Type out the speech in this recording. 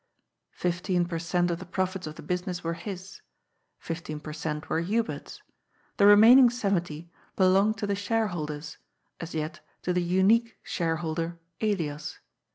Fifteen per cent, of the profits of the business were his, fifteen per cent were Hubert's, the remaining seventy be longed to the shareholders, as yet to the unique shareholder, Elias.